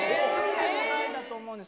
意外だと思うんです。